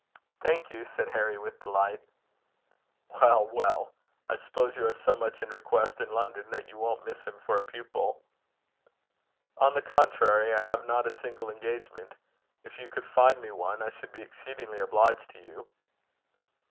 "Thank you," said Harry with delight. "Well, well! I suppose you are so much in request in London that you won't miss him for a pupil." "On the contrary, I have not a single engagement. If you could find me one, I should be exceedingly obliged to you."